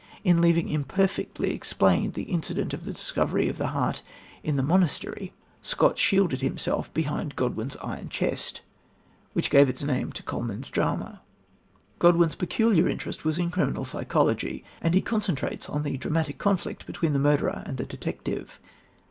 In leaving imperfectly explained the incident of the discovery of the heart in The Monastery, Scott shielded himself behind Godwin's Iron Chest, which gave its name to Colman's drama. Godwin's peculiar interest was in criminal psychology, and he concentrates on the dramatic conflict between the murderer and the detective.